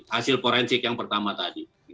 hasil forensik yang pertama tadi